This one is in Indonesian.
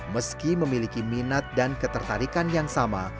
meski memiliki minat dan ketertarikan yang sama